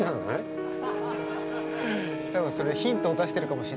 多分それはヒントを出してるかもしれない。